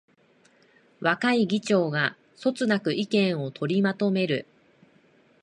若い議長がそつなく意見を取りまとめる